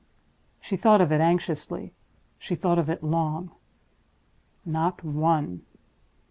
She thought of it anxiously, she thought of it long. Not one!